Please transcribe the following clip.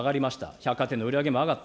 百貨店の売り上げも上がった。